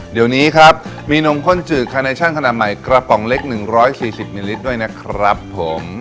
เดี๋ยวนี้ครับมีนมข้นจืดคาเนชั่นขนาดใหม่กระป๋องเล็ก๑๔๐มิลลิลิตรด้วยนะครับผม